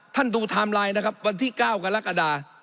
ท่านดูไทม์ไลน์นะครับวันที่๙กับละกระดาษ